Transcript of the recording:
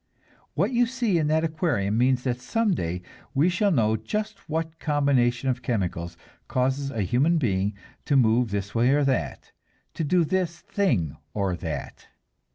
What you see in that aquarium means that some day we shall know just what combination of chemicals causes a human being to move this way or that, to do this thing or that.